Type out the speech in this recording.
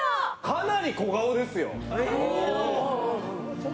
かなり小顔ですよ。